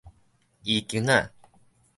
衣弓仔